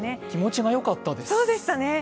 気持ちがよかったです。